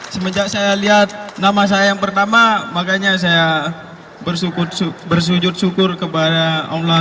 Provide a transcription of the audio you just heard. semenjak saya lihat nama saya yang pertama makanya saya bersujud syukur kepada allah